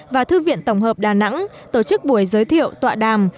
và thư viện tổng hợp đà nẵng tổ chức buổi giới thiệu tọa đàm